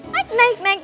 naik naik naik